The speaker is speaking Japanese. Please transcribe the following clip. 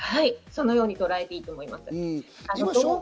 そのようにとらえていいと思います。